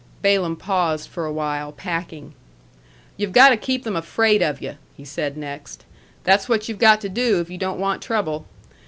Balaam paused for a while, packing. "You've got to keep them afraid of you," he said next; "that's what you've got to do if you don't want trouble.